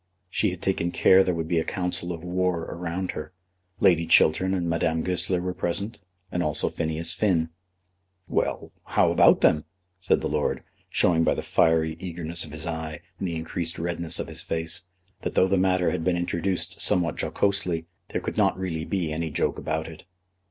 She had taken care there should be a council of war around her. Lady Chiltern and Madame Goesler were present, and also Phineas Finn. "Well; how about them?" said the lord, showing by the fiery eagerness of his eye, and the increased redness of his face, that though the matter had been introduced somewhat jocosely, there could not really be any joke about it.